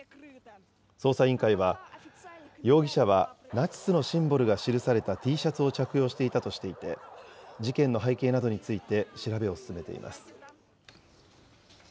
捜査委員会は、容疑者はナチスのシンボルが記されたＴシャツを着用していたとして、事件の背景などについて調べを進めています。